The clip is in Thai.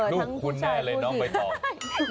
ลูกคุณแน่เลยน้องใบตอง